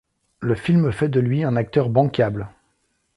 Le film fait de lui un acteur banquable.